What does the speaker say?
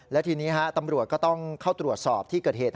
และทีนี้ตำรวจก็ต้องเข้าตรวจสอบที่เกิดเหตุ